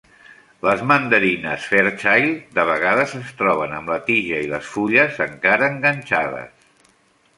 Les mandarines Fairchild de vegades es troben amb la tija i les fulles encara enganxades.